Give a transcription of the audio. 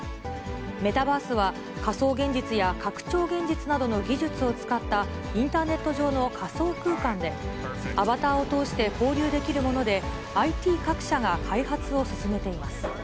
メタバースは、仮想現実や拡張現実などの技術を使ったインターネット上の仮想空間で、アバターを通して交流できるもので、ＩＴ各社が開発を進めています。